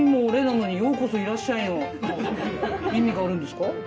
の意味があるんですか？